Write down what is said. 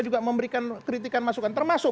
juga memberikan kritikan masukan termasuk